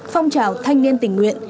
phong trào thanh niên tình nguyện